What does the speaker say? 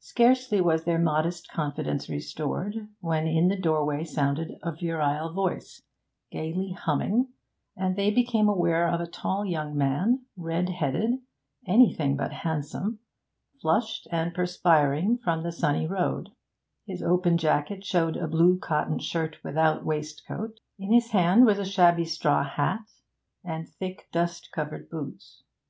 Scarcely was their modest confidence restored, when in the doorway sounded a virile voice, gaily humming, and they became aware of a tall young man, red headed, anything but handsome, flushed and perspiring from the sunny road; his open jacket showed a blue cotton shirt without waistcoat, in his hand was a shabby straw hat, and thick dust covered his boots.